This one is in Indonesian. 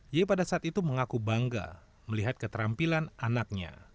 y pada saat itu mengaku bangga melihat keterampilan anaknya